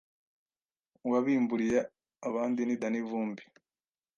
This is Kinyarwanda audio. uwabimburiye abandi ni Danny Vumbi.